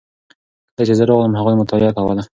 کله چې زه راغلم هغوی مطالعه کوله.